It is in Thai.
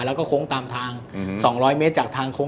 และคล้องตามทาง๒๐๐เมตรจากทางคล้อง